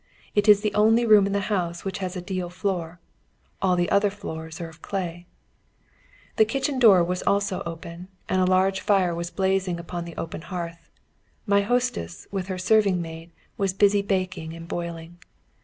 It is the only room in the house which has a deal floor, all the other floors are of clay. The kitchen door was also open, and a large fire was blazing on the open hearth. My hostess with her serving maid was busy baking and boiling.